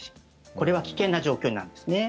これは危険な状況になるんですね。